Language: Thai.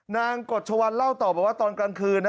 กฎชวันเล่าต่อบอกว่าตอนกลางคืน